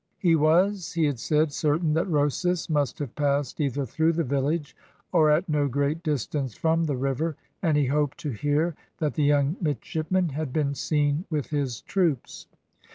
He was, he had said, certain that Rosas must have passed either through the village, or at no great distance from the river, and he hoped to hear that the young midshipmen had been seen with his troops.